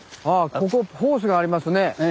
ここホースがありますね。